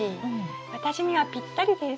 私にはぴったりです。